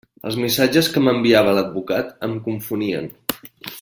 Els missatges que m'enviava l'advocat em confonien.